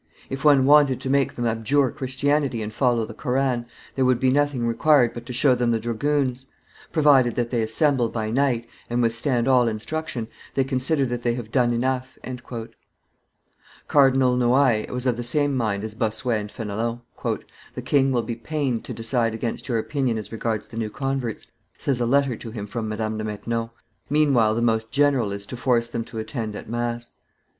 If one wanted to make them abjure Christianity and follow the Koran, there would be nothing required but to show them the dragoons; provided that they assemble by night, and withstand all instruction, they consider that they have done enough." Cardinal Noailles was of the same mind as Bossuet and FEnelon. "The king will be pained to decide against your opinion as regards the new converts," says a letter to him from Madame de Maintenon; "meanwhile the most general is to force them to attend at mass.